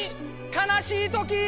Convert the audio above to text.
かなしいときー！